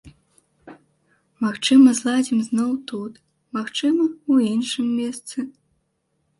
Магчыма зладзім зноў тут, магчыма, у іншым месцы.